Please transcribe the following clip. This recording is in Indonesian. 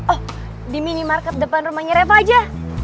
oh di mini market depan rumahnya reva aja